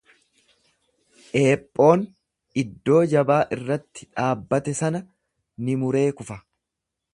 Eephoon iddoo jabaa irratti dhaabbate sana ni muree kufa.